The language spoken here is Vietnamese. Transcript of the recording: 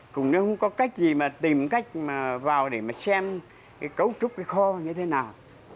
cũng nếu không có cách gì mà tìm cách mà vào để mà xem cái cấu trúc cái kho như thế nào